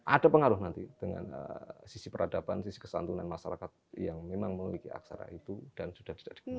ada pengaruh nanti dengan sisi peradaban sisi kesantunan masyarakat yang memang memiliki aksara itu dan sudah tidak dikenal